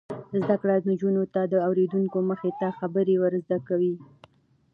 زده کړه نجونو ته د اوریدونکو مخې ته خبرې ور زده کوي.